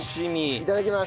いただきます。